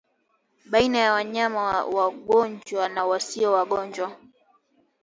baina ya wanyama wagonjwa na wasio wagonjwa